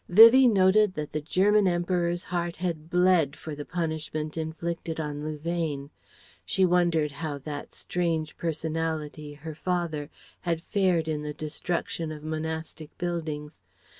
Vivie noted that the German Emperor's heart had bled for the punishment inflicted on Louvain. (She wondered how that strange personality, her father, had fared in the destruction of monastic buildings.)